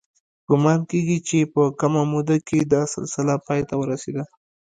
ګومان کېږي چې په کمه موده کې دا سلسله پای ته ورسېده